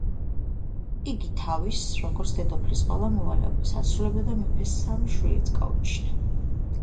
იგი თავის, როგორც დედოფლის ყველა მოვალეობას ასრულებდა და მეფეს სამი შვილიც გაუჩინა.